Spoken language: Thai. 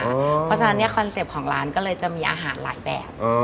เพราะฉะนั้นคอนเซ็ปต์ของร้านก็เลยจะมีอาหารหลายแบบ